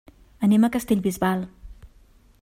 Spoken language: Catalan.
Anem a Castellbisbal.